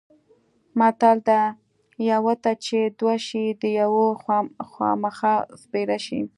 متل دی: یوه ته چې دوه شي د یوه خوامخا سپېره شي.